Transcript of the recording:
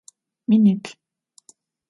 Miniplh'.